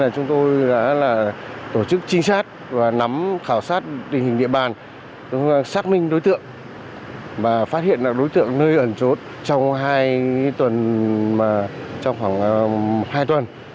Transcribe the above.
chúng tôi đã tổ chức trinh sát và nắm khảo sát tình hình địa bàn xác minh đối tượng và phát hiện đối tượng nơi ẩn chốt trong khoảng hai tuần